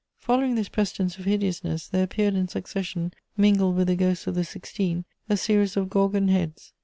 * Following this precedence of hideousness, there appeared in succession, mingled with the ghosts of the Sixteen, a series of gorgon heads.